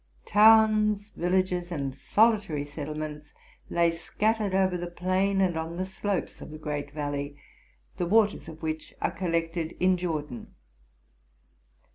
'Towns, v illages, and solitary settlements lay scattered over the plain, and on the slopes 108 TRUTH AND FICTION of the great valley, the waters of which are collected in Jordan.